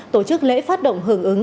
tổ chức lễ phát động hưởng ứng